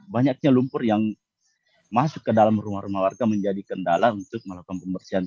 banyaknya lumpur yang masuk ke dalam rumah rumah warga menjadi kendala untuk melakukan pembersihan